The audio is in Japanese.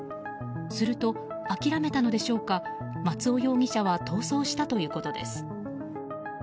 すると、諦めたのでしょうか松尾容疑者は逃走したということです。